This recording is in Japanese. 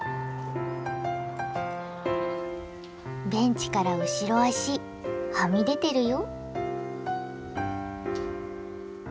ベンチから後ろ足はみ出てるよ。